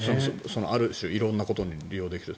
ある種、色んなことに利用できる。